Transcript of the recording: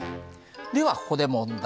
ではここで問題。